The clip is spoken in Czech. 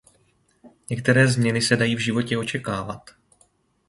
Některé změny se dají v životě očekávat.